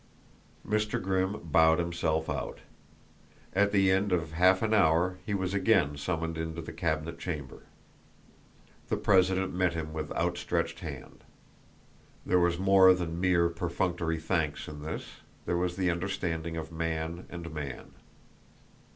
Mr. Grimm bowed himself out. At the end of half an hour he was again summoned into the cabinet chamber. The president met him with outstretched hand. There was more than mere perfunctory thanks in this there was the understanding of man and man.